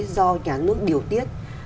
do nhà nước điều tiết